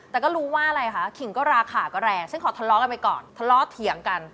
แต่ก็รู้ว่าอะไรคะขิงก็ราคาก็แรงฉันขอทะเลาะกันไปก่อนทะเลาะเถียงกัน